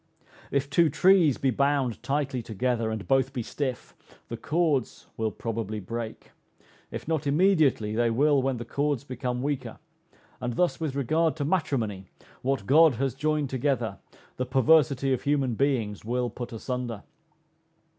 If two trees be bound tightly together, and both be stiff, the cords will probably break; if not immediately, they will when the cords become weaker: and thus with regard to matrimony, what God has joined together, the perversity of human beings will put asunder.